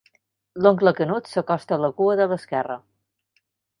L'oncle Canut s'acosta a la cua de l'esquerra.